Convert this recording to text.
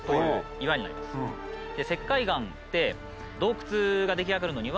石灰岩って。